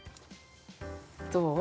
どう？